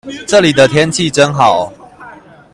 這裡的天氣真好